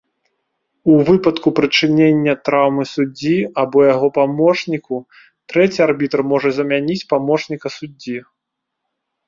У выпадку прычынення траўмы суддзі або яго памочніку, трэці арбітр можа замяніць памочніка суддзі.